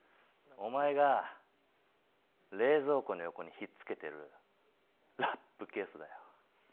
お前が冷蔵庫の横に引っ付けてるラップケースだよ。